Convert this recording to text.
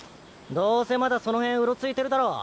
どうせまだその辺うろついてるだろ。